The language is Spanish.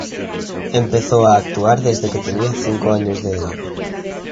Empezó a actuar desde que tenía cinco años de edad.